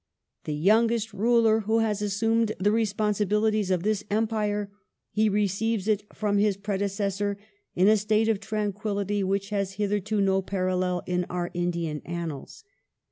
" The youngest ruler who has assumed the respon sibilities of this Empire, he receives it from his predecessor in a state of tranquillity which has hitherto no parallel in our Indian annals.